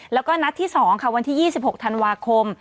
แล้วก็นัดที่๒ค่ะวันที่๒๖ธันวาคม